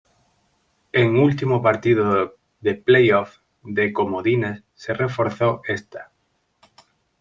En último partido de playoffs de comodines se reforzó esta.